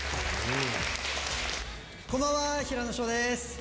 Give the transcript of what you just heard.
こんばんは、平野紫燿です。